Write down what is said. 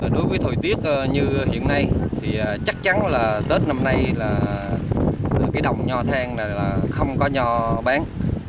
đối với thời tiết như hiện nay thì chắc chắn là tết năm nay là cái đồng nhò than là không có nhò bán